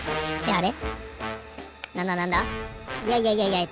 あれ？